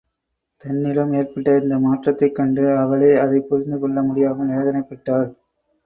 தன்னிடம் ஏற்பட்ட இந்த மாற்றத்தைக் கண்டு அவளே அதைப் புரிந்து கொள்ள முடியாமல் வேதனைப் பட்டாள்.